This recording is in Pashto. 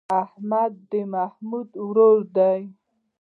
احمد د محمود ورور دی.